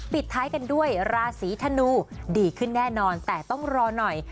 ปิดท้ายกันด้วยราศีธนูดีขึ้นแน่นอนแต่ต้องรอหน่อย